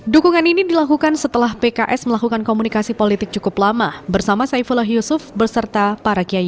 dukungan ini dilakukan setelah pks melakukan komunikasi politik cukup lama bersama saifullah yusuf berserta para kiai